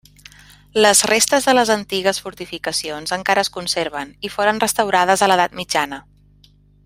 Les restes de les antigues fortificacions encara es conserven, i foren restaurades a l'edat mitjana.